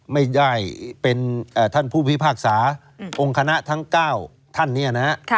ไม่ได้เป็นท่านผู้พิพากษาองค์คณะทั้ง๙ท่านเนี่ยนะฮะ